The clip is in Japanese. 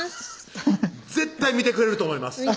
絶対見てくれると思います